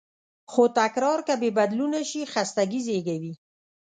خو تکرار که بېبدلونه شي، خستګي زېږوي.